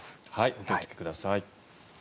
お気をつけください。